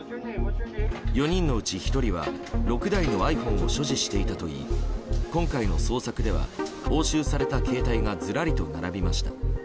４人のうち１人は６台のｉＰｈｏｎｅを所持していたといい今回の捜索では押収された携帯がずらりと並びました。